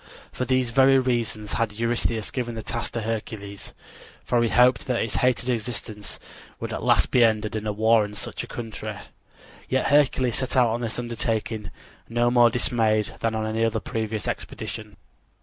For these very reasons had Eurystheus given the task to Hercules, for he hoped that his hated existence would at last be ended in a war in such a country. Yet Hercules set out on this undertaking no more dismayed than on any previous expedition.